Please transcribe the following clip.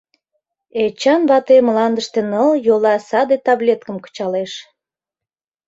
Эчан вате мландыште нылйола саде таблеткым кычалеш.